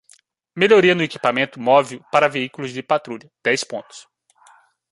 Melhoria no equipamento móvel para veículos de patrulha: dez pontos.